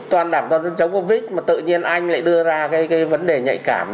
toàn đảng toàn dân chống covid mà tự nhiên anh lại đưa ra cái vấn đề nhạy cảm